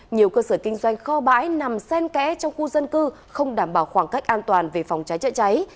nhiều cơ sở kinh doanh kho bãi nằm sen kẽ trong khu dân cư không đảm bảo khoảng cách an toàn về phòng cháy chữa cháy